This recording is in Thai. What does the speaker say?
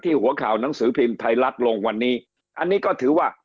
หัวข่าวหนังสือพิมพ์ไทยรัฐลงวันนี้อันนี้ก็ถือว่า